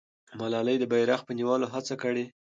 ملالۍ د بیرغ په نیولو هڅه کړې.